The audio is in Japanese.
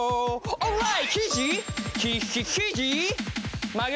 オーライ！